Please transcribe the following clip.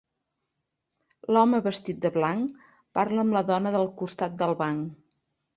L'home vestit de blanc parla amb la dona del costat del banc.